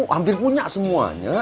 hampir punya semuanya